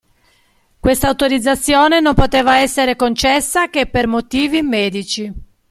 Quest'autorizzazione non poteva essere concessa che per motivi medici.